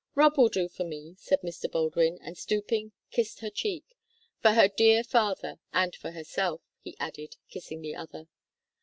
"Rob will do for me," said Mr. Baldwin, and, stooping, kissed her cheek, "for her dear father, and for herself," he added, kissing the other.